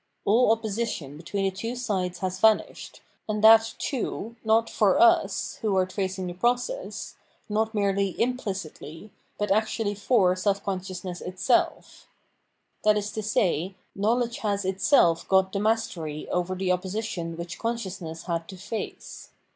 All opposition betw'een the two sides has vanished, and that, too, not for us (who are tracing the process), not merely implicitly, but actually for self consciousness itself. That is to say, knowledge has itself got the mastery over the opposition which consciousness had to face.